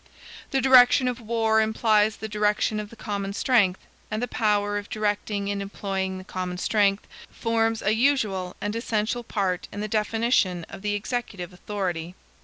The direction of war implies the direction of the common strength; and the power of directing and employing the common strength, forms a usual and essential part in the definition of the executive authority.